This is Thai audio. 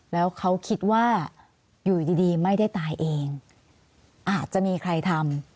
แล้วเขาคิดว่าอยู่ดีไม่ได้ตายเองอาจจะมีใครทำ